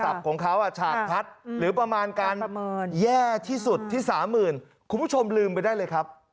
ของเขาฉากทัศน์หรือประมาณการแย่ที่สุดที่๓๐๐๐คุณผู้ชมลืมไปได้เลยครับ